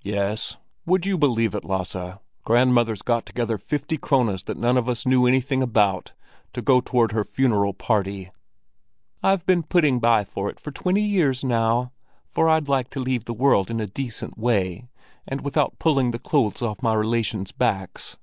"Yes, would you believe it, Lasse—grandmother's got together fifty krones that none of us knew anything about, to go toward her funeral party!" "I've been putting by for it for twenty years now, for I'd like to leave the world in a decent way, and without pulling the clothes off my relations' backs.